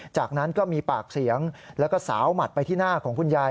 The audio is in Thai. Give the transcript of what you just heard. จากนั้นก็มีปากเสียงแล้วก็สาวหมัดไปที่หน้าของคุณยาย